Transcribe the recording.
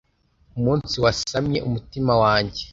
Umunsi wasamye umutima wanjye